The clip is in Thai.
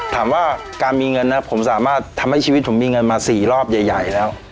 ถามว่าการมีเงินนะผมสามารถทำให้ชีวิตผมมีเงินมา๔รอบใหญ่แล้ว